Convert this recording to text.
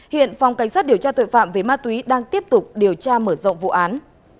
hiện phòng cảnh sát điều tra tội phạm về ma túy đang tiếp tục điều tra mở rộng vụ án